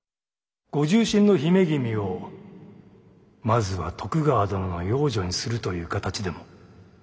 ご重臣の姫君をまずは徳川殿の養女にするという形でも構いませぬが。